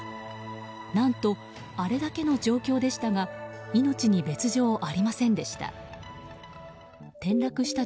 何と、あれだけの状況でしたが命に別条はありませんでした。